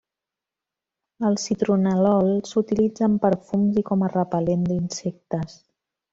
El citronel·lol s'utilitza en perfums i com a repel·lent d'insectes.